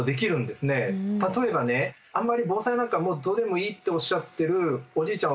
例えばねあんまり防災なんかもうどうでもいいとおっしゃってるおじいちゃん